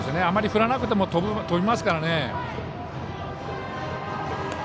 あまり振らなくても飛びますからね。